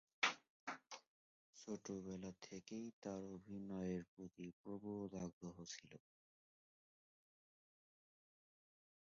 ছোটবেলা থেকেই তার অভিনয়ের প্রতি প্রবল আগ্রহ ছিল।